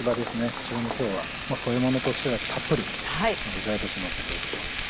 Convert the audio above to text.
こちらも今日は添えものとしてではなくたっぷり具材としてのせていきます。